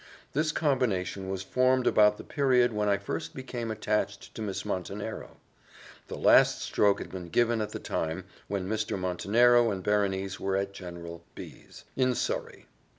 This combination was formed about the period when I first became attached to Miss Montenero: the last stroke had been given at the time when Mr. Montenero and Berenice were at General B 's, in Surrey.